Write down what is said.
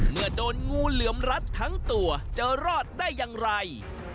เมื่อโดนงูเหลือมรัดทั้งตัวจะรอดได้อย่างไร